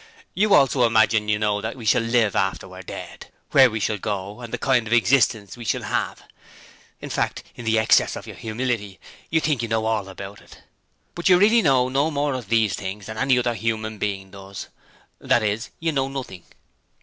You also imagine you know that we shall live after we're dead; where we shall go, and the kind of existence we shall have. In fact, in the excess of your "humility", you think you know all about it. But really you know no more of these things than any other human being does; that is, you know NOTHING.'